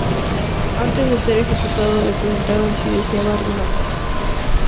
Antes de ser ejecutado, le preguntaron si deseaban alguna cosa.